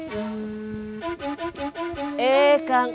saya sudah kencang